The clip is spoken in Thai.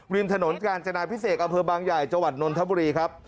ริมถนนการจนายพิเศษอเผือบางใหญ่จังหวัดนนทบุรี